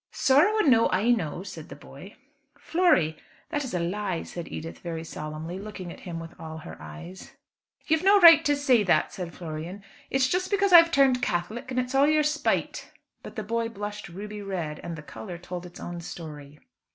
"Sorrow a know, I know," said the boy. "Flory, that is a lie," said Edith very solemnly, looking at him with all her eyes. "You've no right to say that," said Florian. "It's just because I've turned Catholic, and it's all your spite." But the boy blushed ruby red, and the colour told its own story.